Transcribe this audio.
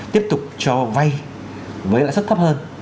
tiếp tục cho vay với lãi xuất cấp hơn